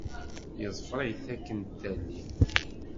Yeḍfer-it akken tallit.